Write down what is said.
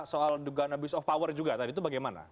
soal dugaan abuse of power juga tadi itu bagaimana